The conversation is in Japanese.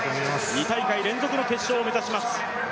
２大会連続の決勝を目指します。